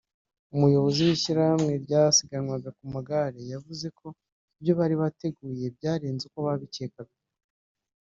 umuyobozi w’Ishyirahamwe ry’abasiganwa ku magare yavuze ko ibyo bari bateguye byarenze uko babikekaga